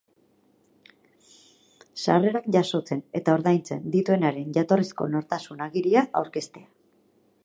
Sarrerak jasotzen eta ordaintzen dituenaren jatorrizko nortasun agiria aurkeztea.